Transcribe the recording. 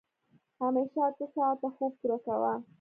همېشه اته ساعته خوب پوره کوه.